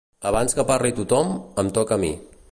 Abans que parli tothom, em toca a mi.